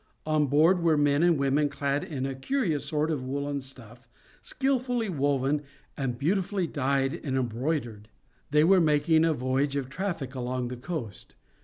On board were men and women clad in a curious sort of woollen stuff, skilfully woven, and beautifully dyed and embroidered. They were making a voyage of traffic along the coast.